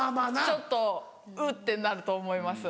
ちょっと「うっ」てなると思います。